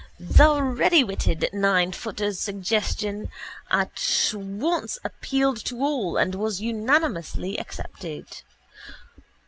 The readywitted ninefooter's suggestion at once appealed to all and was unanimously accepted.